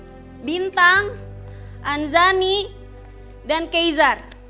ada zerlina bintang anzani dan keizar